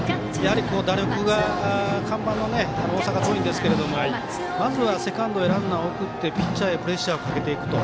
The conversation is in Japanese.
打力が看板の大阪桐蔭ですけれどもまずはセカンドへランナーを送ってピッチャーへプレッシャーをかけていくと。